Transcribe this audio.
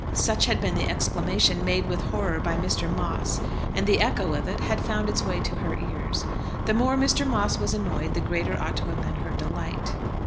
such had been the exclamation made with horror by Mr. Moss, and the echo of it had found its way to her ears. The more Mr. Moss was annoyed, the greater ought to have been her delight.